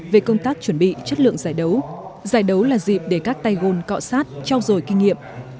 về công tác chuẩn bị chất lượng giải đấu giải đấu là dịp để các tay gôn cọ sát trao dồi kinh nghiệm